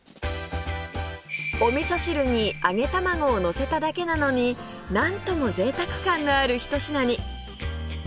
お味噌汁に揚げ卵をのせただけなのになんともぜいたく感のあるひと品に